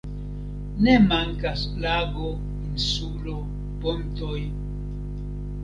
Ne mankas lago, insulo, pontoj.